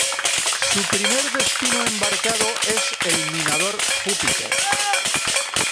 Su primer destino embarcado es el minador "Júpiter".